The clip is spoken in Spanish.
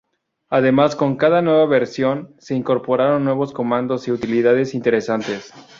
Además con cada nueva versión se incorporaron nuevos comandos y utilidades interesantes.